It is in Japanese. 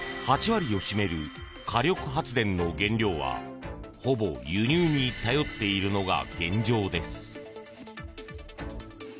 ８割を占める火力発電の原料はほぼ輸入に頼っているのが現状です。